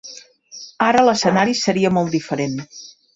Ara l'escenari seria molt diferent.